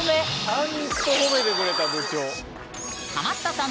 ちゃんと褒めてくれた部長。